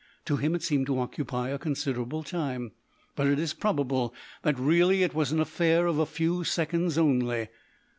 To him it seemed to occupy a considerable time, but it is probable that really it was an affair of a few seconds only.